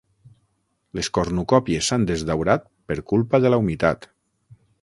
Les cornucòpies s'han desdaurat per culpa de la humitat.